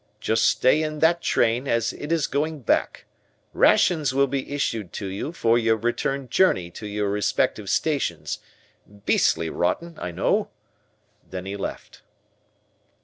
Just stay in that train, as it is going back. Rations will be issued to you for your return journey to your respective stations. Beastly rotten, I know." Then he left.